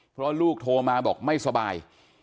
เพราะลูกโทรมาบอกไม่สบาย